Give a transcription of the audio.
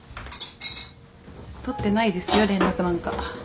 取ってないですよ連絡なんか。